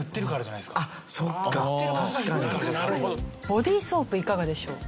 ボディーソープいかがでしょう？